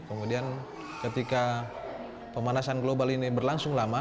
kemudian ketika pemanasan global ini berlangsung lama